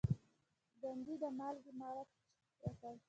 ګاندي د مالګې مارچ وکړ.